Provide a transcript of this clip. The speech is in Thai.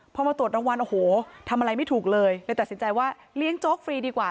พอมาตรวจรางวัลโอ้โหทำอะไรไม่ถูกเลยเลยตัดสินใจว่าเลี้ยงโจ๊กฟรีดีกว่า